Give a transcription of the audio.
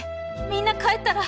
みんな帰ったら！